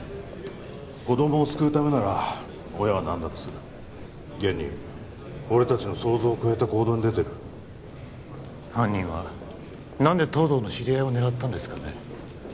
子供を救うためなら親は何だってする現に俺達の想像を超えた行動に出てる犯人は何で東堂の知り合いを狙ったんですかね？